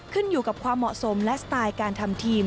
ขึ้นอยู่กับความเหมาะสมและสไตล์การทำทีม